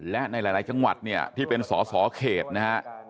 และในหลายจังหวัดเนี่ยที่เป็นสอสอเขตนะฮะ